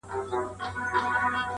بس په زړه کي یې کراري لانديښنې سوې.